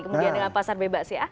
kemudian dengan pasar bebas ya